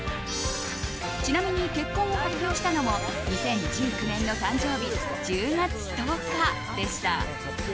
ちなみに、結婚を発表したのも２０１９年の誕生日１０月１０日でした。